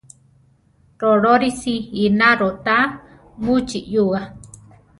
Rolórisi ináro ta muchí yua.